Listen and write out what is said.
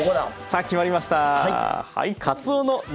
さあ決まりました。